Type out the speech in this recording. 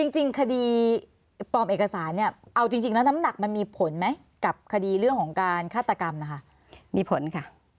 จริงคดีปลอมเอกสารเนี่ยเอาจริงแล้วน้ำหนักมันมีผลไหมกับคดีเรื่องของการฆาตกรรมนะคะมีผลค่ะ